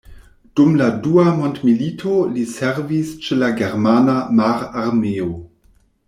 Dum la Dua mondmilito li servis ĉe la germana mararmeo.